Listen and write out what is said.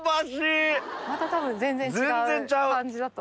また多分全然違う感じだと。